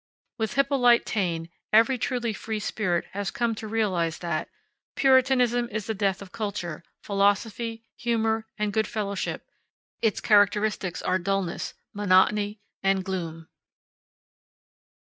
With Hippolyte Taine, every truly free spirit has come to realize that "Puritanism is the death of culture, philosophy, humor, and good fellowship; its characteristics are dullness, monotony, and gloom."